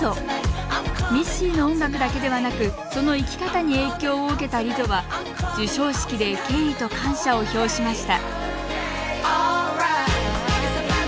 ミッシーの音楽だけではなくその生き方に影響を受けたリゾは授賞式で敬意と感謝を表しました